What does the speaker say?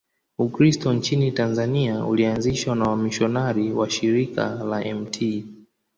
Ukristo nchini Tanzania ulianzishwa na wamisionari wa Shirika la Mt.